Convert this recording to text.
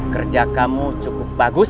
kerja kamu cukup bagus